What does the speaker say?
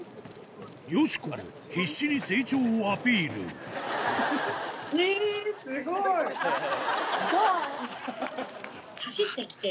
よしこも必死に成長をアピールまずは。